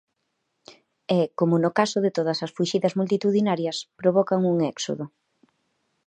E, como no caso de todas as fuxidas multitudinarias, provocan un éxodo.